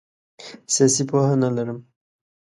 سیاسي پوهه نه لرم.